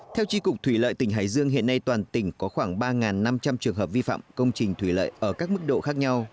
theo tri cục thủy lợi tỉnh hải dương hiện nay toàn tỉnh có khoảng ba năm trăm linh trường hợp vi phạm công trình thủy lợi ở các mức độ khác nhau